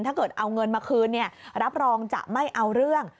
ถ้าเกิดเอาเงินมาคืนรับรองจะไม่เอาเรื่อง